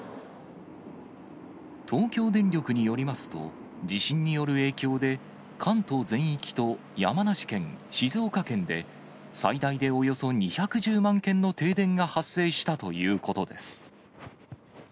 東京電力によりますと、地震による影響で、関東全域と山梨県、静岡県で最大でおよそ２１０万件の停電が発生したということです。